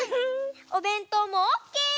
おべんとうもオッケー！